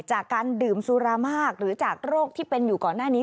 จากการดื่มสุรามากหรือจากโรคที่เป็นอยู่ก่อนหน้านี้